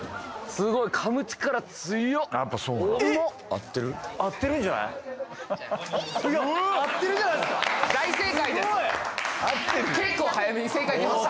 すごい合ってる結構早めに正解出ました